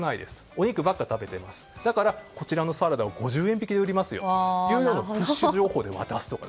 お肉ばかり食べているのでこちらのサラダを５０円引きで売りますよというプッシュ情報で渡すとか